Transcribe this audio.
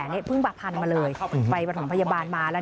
เจ้าตอบมาต่อมีภาพบังชั่วบางอย่างไหวะ